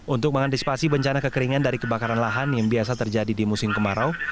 untuk mengantisipasi bencana kekeringan dari kebakaran lahan yang biasa terjadi di musim kemarau